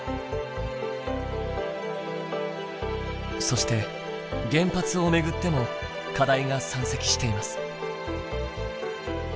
そして原発を巡っても課題が山積しています。